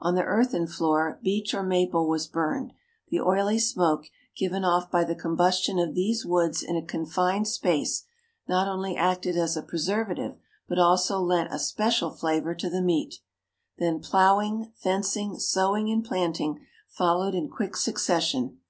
On the earthen floor beech or maple was burned; the oily smoke, given off by the combustion of these woods in a confined space, not only acted as a preservative but also lent a special flavour to the meat. Then ploughing, fencing, sowing, and planting followed in quick succession.